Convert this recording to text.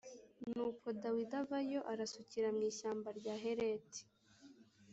Nuko Dawidi avayo arasukira mu ishyamba rya Hereti.